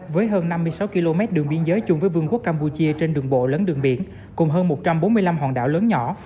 với hơn năm mươi sáu km đường biên giới chung với vương quốc campuchia trên đường bộ lẫn đường biển cùng hơn một trăm bốn mươi năm hòn đảo lớn nhỏ